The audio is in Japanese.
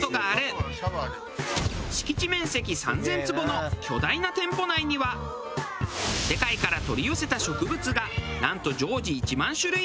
敷地面積３０００坪の巨大な店舗内には世界から取り寄せた植物がなんと常時１万種類以上。